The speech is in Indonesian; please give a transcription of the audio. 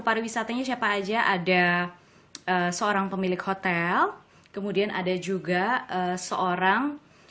pariwisatanya siapa aja ada seorang pemilik hotel kemudian ada juga seorang